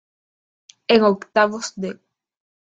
En octavos de